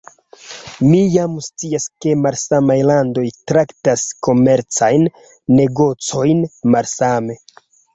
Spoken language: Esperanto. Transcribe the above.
Mi jam scias, ke malsamaj landoj traktas komercajn negocojn malsame